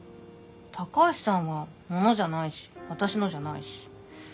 高橋さんは物じゃないし私のじゃないし。